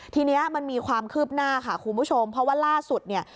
ทีนี้มันมีความคืบหน้าค่ะคุณผู้ชมเพราะว่าล่าสุดเนี่ย